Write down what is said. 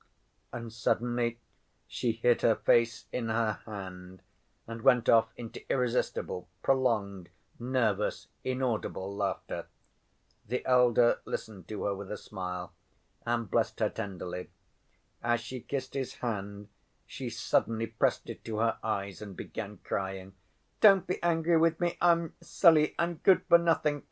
And suddenly she hid her face in her hand and went off into irresistible, prolonged, nervous, inaudible laughter. The elder listened to her with a smile, and blessed her tenderly. As she kissed his hand she suddenly pressed it to her eyes and began crying. "Don't be angry with me. I'm silly and good for nothing